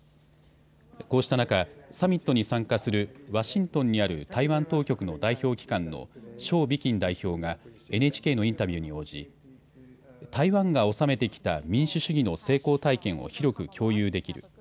こうした中、サミットに参加するワシントンにある台湾当局の代表機関の蕭美琴代表がＮＨＫのインタビューに応じ台湾が収めてきた民主主義の成功体験を広く共有できる。